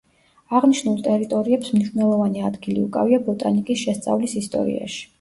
აღნიშნულ ტერიტორიებს მნიშვნელოვანი ადგილი უკავია ბოტანიკის შესწავლის ისტორიაში.